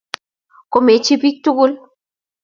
Komechi bik tugul.